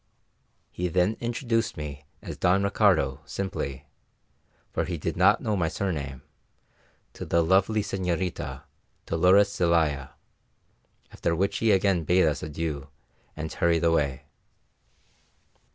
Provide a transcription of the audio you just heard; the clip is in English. He then introduced me as Don Ricardo simply for he did not know my surname to the lovely señorita, Dolores Zelaya; after which he again bade us adieu and hurried away.